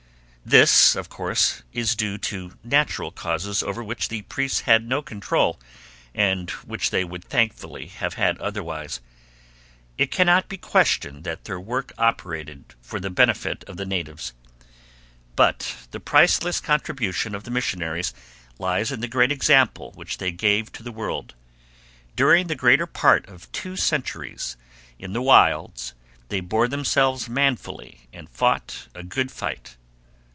This, of course, is due to natural causes over which the priests had no control and which they would thankfully have had otherwise. It cannot be questioned that their work operated for the benefit of the natives. But the priceless contribution of the missionaries lies in the example which they gave to the world. During the greater part of two centuries in the wilds they bore themselves manfully and fought a good fight.